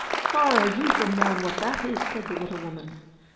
Far are you from knowing what that is!' said the little woman.